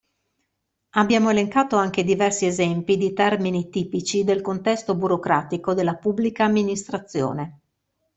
Abbiamo elencato anche diversi esempi di termini tipici del contesto burocratico della Pubblica Amministrazione.